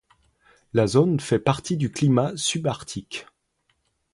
La zone fait partie du climat subarctique.